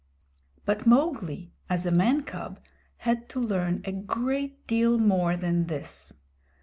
But Mowgli, as a man cub, had to learn a great deal more than this.